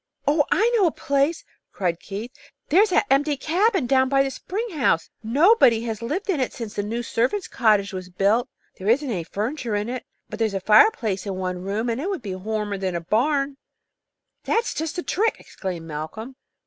"Oh, I know a place," cried Keith. "There's that empty cabin down by the spring house. Nobody has lived in it since the new servants' cottage was built. There isn't any furniture in it, but there's a fireplace in one room, and it would be warmer than the barn." "That's just the trick!" exclaimed Malcolm.